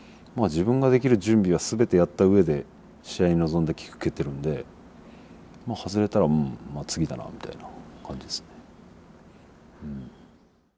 自分ができる準備は全てやった上で試合に臨んでキック蹴ってるんで外れたらまあ次だなみたいな感じですね。